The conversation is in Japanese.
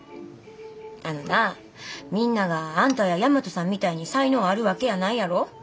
あのなあみんながあんたや大和さんみたいに才能あるわけやないやろ。